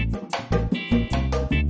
namanya agradeku dilakukan oleh ldpp dan mnti